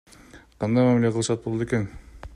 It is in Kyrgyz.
Кандай мамиле кылышат болду экен?